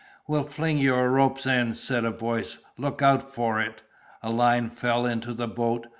"We'll fling you a rope's end," said a voice; "look out for it." A line fell into the boat.